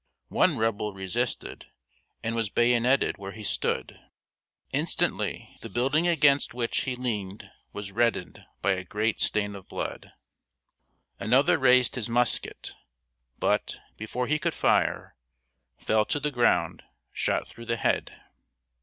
One Rebel resisted and was bayoneted where he stood. Instantly, the building against which he leaned was reddened by a great stain of blood. Another raised his musket, but, before he could fire, fell to the ground, shot through the head.